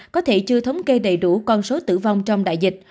có thể chưa thống kê đầy đủ con số tử vong trong đại dịch